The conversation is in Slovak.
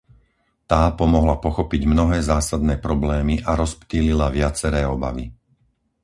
Tá pomohla pochopiť mnohé zásadné problémy a rozptýlila viaceré obavy.